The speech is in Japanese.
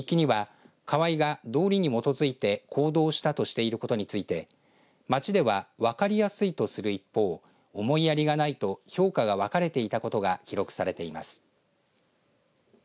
日記には河井が道理に基づいて行動したとしていることについて街では分かりやすいとする一方思いやりがないと評価が分かれていたことが記録されています。